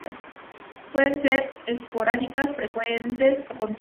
Pueden ser esporádicas, frecuentes o continuas.